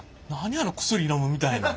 あの薬のむみたいなん。